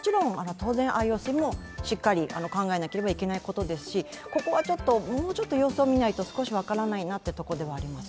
当然、ＩＯＣもしっかり考えないといけないことですしここはもうちょっと様子を見ないと分からないなというところではあります。